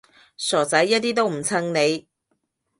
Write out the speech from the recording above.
傻仔，一啲都唔襯你